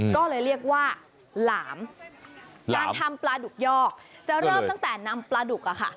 ก็เลยเรียกว่าหลามการทำปลาดุกยอกจะเริ่มตั้งแต่นำปลาดุกอะค่ะ